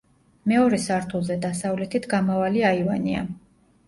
მეორე სართულზე დასავლეთით გამავალი აივანია.